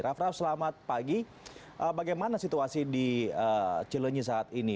raff raff selamat pagi bagaimana situasi di cilenyi saat ini